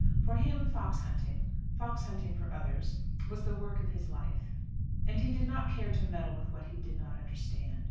For him fox hunting fox hunting for others was the work of his life, and he did not care to meddle with what he did not understand.